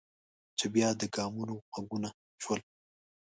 چې بیا د ګامونو غږونه شول.